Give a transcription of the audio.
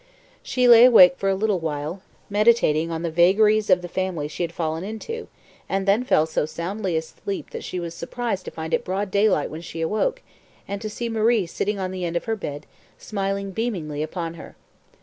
She lay awake for a little while, meditating on the vagaries of the family she had fallen into, and then fell so soundly asleep that she was surprised to find it broad daylight when she awoke, and to see Marie sitting on the end of her bed, smiling beamingly upon her.